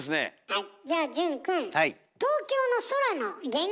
はい。